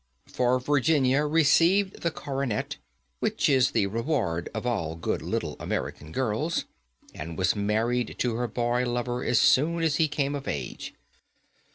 For Virginia received the coronet, which is the reward of all good little American girls, and was married to her boy lover as soon as he came of age.